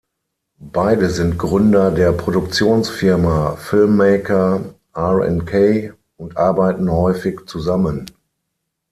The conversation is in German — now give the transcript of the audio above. Beide sind Gründer der Produktionsfirma Filmmaker R&K und arbeiten häufig zusammen.